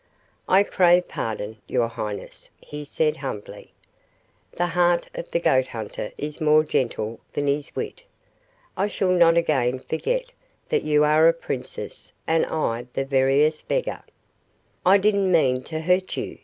"I crave pardon, your highness," he said, humbly "The heart of the goat hunter is more gentle than his wit. I shall not again forget that you are a princess and I the veriest beggar." "I didn't mean to hurt you!"